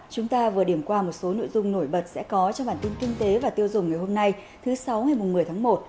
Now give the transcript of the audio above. chúng ta vừa điểm qua một số nội dung nổi bật sẽ có trong bản tin kinh tế và tiêu dùng ngày hôm nay thứ sáu ngày một mươi tháng một